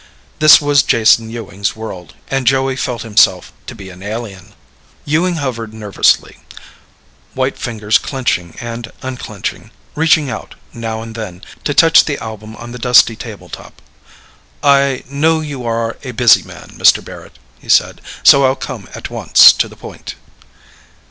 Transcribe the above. This was Jason Ewing's world and Joey felt himself to be an alien. Ewing hovered nervously, white fingers clenching and unclenching, reaching out, now and then, to touch the album on the dusty table top. "I know you are a busy man, Mr. Barrett," he said, "so I'll come at once to the point."